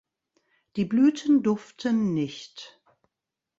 Die Blüten duften nicht.